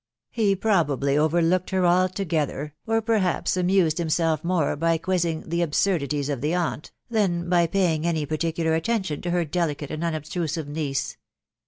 .... He probably overlooked her altogether, or perhaps amused him self more by quizzing the absurdities of the aunt than by pay* ing any particular attention to her delicate and unobtrusive niece.